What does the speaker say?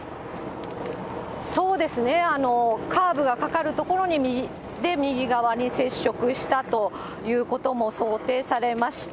そうですね、カーブがかかる所で右側に接触したということも想定されまして、